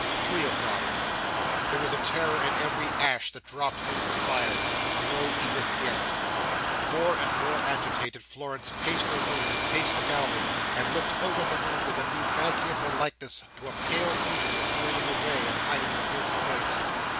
Three o'clock! There was a terror in every ash that dropped out of the fire. No Edith yet. More and more agitated, Florence paced her room, and paced the gallery, and looked out at the moon with a new fancy of her likeness to a pale fugitive hurrying away and hiding her guilty face.